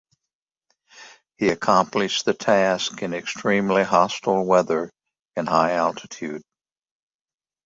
He accomplished the task in extremely hostile weather in high altitude.